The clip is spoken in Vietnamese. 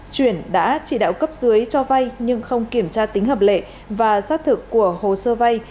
chuyển đã chỉ đạo cấp dưới cho vay nhưng không kiểm tra tính hợp lệ và xác thực của hồ sơ vay